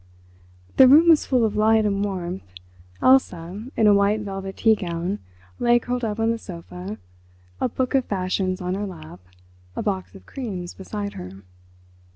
The room was full of light and warmth. Elsa, in a white velvet tea gown, lay curled up on the sofa—a book of fashions on her lap, a box of creams beside her.